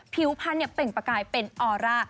ผิวพันธุ์เปล่งประกายเป็นออร่า